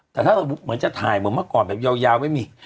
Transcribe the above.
แต่ถ้าเราเหมือนจะถ่ายเหมือนเมื่อก่อนแบบยาวไม่มี